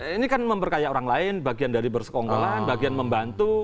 ini kan memperkaya orang lain bagian dari bersekongkolan bagian membantu